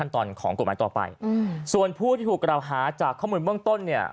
ตอนของกฎหมายต่อไปอืมส่วนผู้ที่ถูกกล่าวหาจากข้อมูลเบื้องต้นเนี่ย